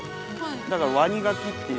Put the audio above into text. だからワニガキっていう。